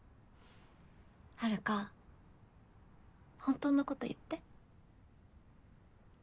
はるか本当のこと言って。